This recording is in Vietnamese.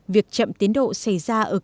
việc chậm tiến độ xảy ra ở các nguồn điện